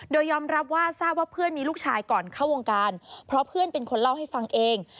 โดยยอมรับว่าทราบว่าเพื่อนมีลูกชายก่อนเข้าวงการเพราะเพื่อนเป็นคนเล่าให้ฟังเอง